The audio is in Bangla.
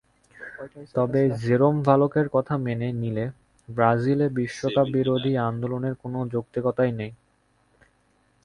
তবে জেরোম ভালকের কথা মেনে নিলে ব্রাজিলে বিশ্বকাপ-বিরোধী আন্দোলনের কোনো যৌক্তিকতাই নেই।